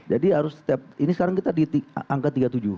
jadi harus setiap ini sekarang kita di angka tiga puluh tujuh